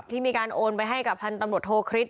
ที่มีการโอนไปให้กับภัณฑ์ตำรวจโทคริสต์